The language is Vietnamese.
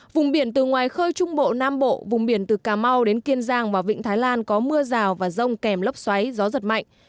vùng biển từ ngoài khơi trung bộ nam bộ vùng biển từ cà mau đến kiên giang và vịnh thái lan có mưa rào và rông kèm lốc xoáy gió giật mạnh